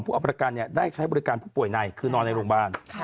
เอาประกันได้ใช้บริการผู้ป่วยในคือนอนในโรงพยาบาล